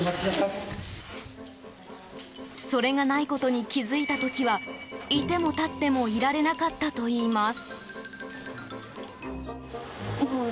それがないことに気づいた時はいてもたってもいられなかったといいます。